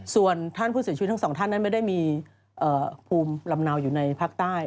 ส่วนท่านผู้เสียชีวิตทั้งสองท่านนั้นไม่ได้มีภูมิลำเนาอยู่ในภาคใต้